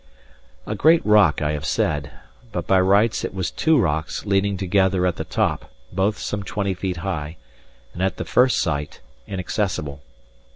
A great rock I have said; but by rights it was two rocks leaning together at the top, both some twenty feet high, and at the first sight inaccessible.